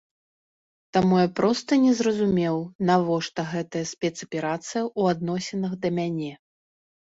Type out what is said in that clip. Таму я проста не зразумеў, навошта гэтая спецаперацыя ў адносінах да мяне.